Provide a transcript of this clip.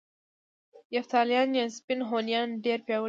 یفتلیان یا سپین هونیان ډیر پیاوړي وو